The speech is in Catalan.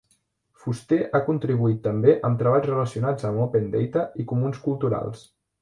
Fuster ha contribuït també amb treballs relacionats amb Open Data i comuns culturals.